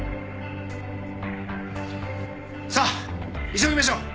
さあ急ぎましょう。